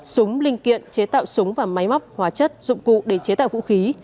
súng linh kiện chế tạo súng và máy móc hóa chất dụng cụ để chế tạo vũ khí